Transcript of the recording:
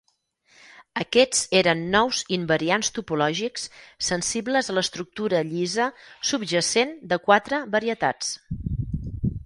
Aquests eren nous invariants topològics sensibles a l'estructura llisa subjacent de quatre varietats.